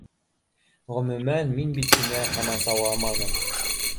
Ғөмүмән, мин бит һиңә ҡамасауламаным